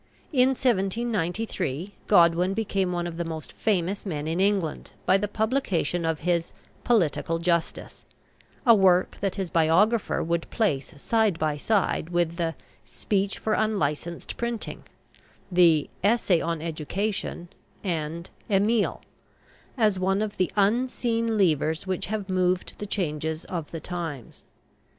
In 1793 Godwin became one of the most famous men in England by the publication of his "Political Justice," a work that his biographer would place side by side with the "Speech for Unlicensed Printing," the "Essay on Education," and "Emile," as one of "the unseen levers which have moved the changes of the times."